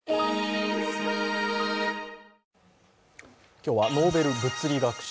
今日はノーベル物理学賞。